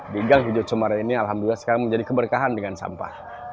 tinggal hidup semara ini alhamdulillah sekarang menjadi keberkahan dengan sampah